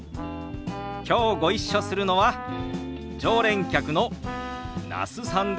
きょうご一緒するのは常連客の那須さんですよ。